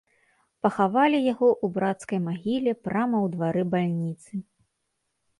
Пахавалі яго ў брацкай магіле прама ў двары бальніцы.